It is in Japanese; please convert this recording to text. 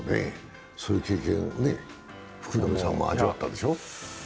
そういう経験、福留さんも味わったでしょう？